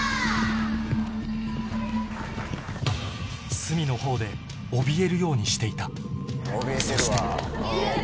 隅のほうでおびえるようにしていたそしてぎゅぎゅ。